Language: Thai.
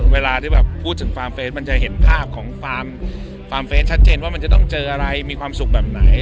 เวลาที่แบบพูดถึงฟาร์มเฟสมันจะเห็นภาพของฟาร์มเฟสชัดเจนว่ามันจะต้องเจออะไรมีความสุขแบบไหน